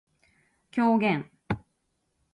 狂言